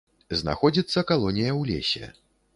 Знаходзіцца калонія ў лесе.